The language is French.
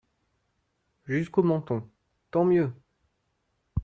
Jusqu’au menton… tant mieux !